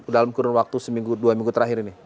dalam kurun waktu seminggu dua minggu terakhir ini